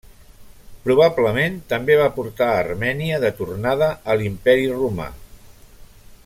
Probablement també va portar a Armènia de tornada a l'Imperi romà.